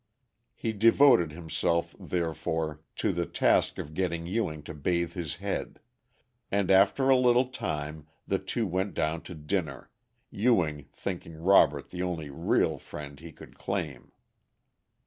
He devoted himself, therefore, to the task of getting Ewing to bathe his head; and after a little time the two went down to dinner, Ewing thinking Robert the only real friend he could claim.